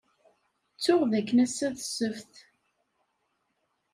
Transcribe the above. Ttuɣ dakken ass-a d ssebt.